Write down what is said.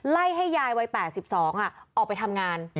ไล่ให้ยายวัย๘๒ออกไปทำงาน